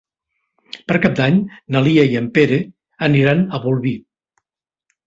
Per Cap d'Any na Lia i en Pere aniran a Bolvir.